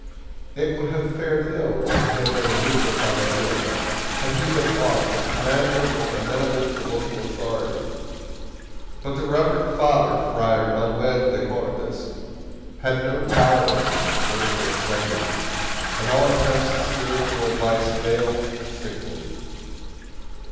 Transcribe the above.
It would have fared ill with Hermenegildo Salvatierra had he been aught but Commander or amenable to local authority. But the reverend father, Friar Manuel de Cortes, had no power over the political executive, and all attempts at spiritual advice failed signally.